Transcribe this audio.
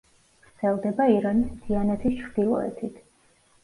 ვრცელდება ირანის მთიანეთის ჩრდილოეთით.